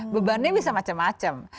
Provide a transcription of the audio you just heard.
bebannya bisa macam macam